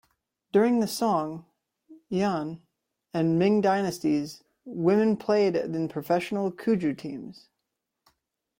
During the Song, Yuan, and Ming dynasties, women played in professional Cuju teams.